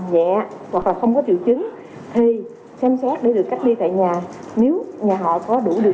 nhẹ hoặc là không có triệu chứng thì xem xét để được cách ly tại nhà nếu nhà họ có đủ điều